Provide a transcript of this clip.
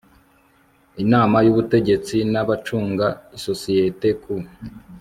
inama y ubutegetsi n abacunga isosiyete ku